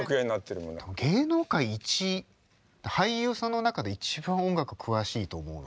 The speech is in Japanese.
芸能界一俳優さんの中で一番音楽詳しいと思うの。